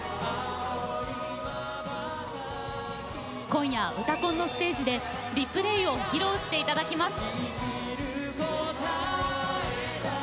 今夜「うたコン」のステージで「Ｒｅｐｌａｙ」を披露していただきます。